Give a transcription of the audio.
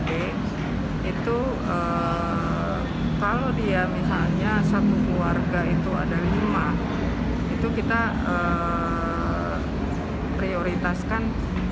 jadi itu kalau dia misalnya satu keluarga itu ada lima itu kita prioritaskan